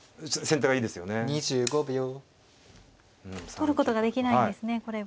取ることができないんですねこれは。